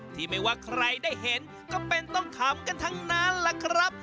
ที่ไม่ว่าใครได้เห็นก็เป็นต้องขำกันทั้งนั้นล่ะครับ